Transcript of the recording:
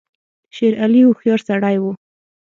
شېر علي هوښیار سړی وو.